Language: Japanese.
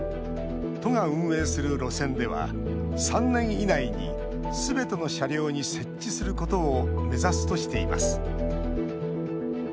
都が運営する路線では３年以内にすべての車両に設置することを目指すとしています。